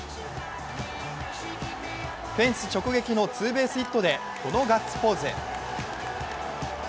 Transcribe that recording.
フェンス直撃のツーベースヒットで、このガッツポーズ。